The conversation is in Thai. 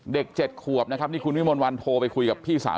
เด็ก๗ขวบนะครับนี่คุณวิมลวันโทรไปคุยกับพี่สาว